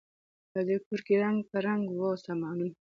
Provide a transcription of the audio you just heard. په دې کورکي رنګ په رنګ وه سامانونه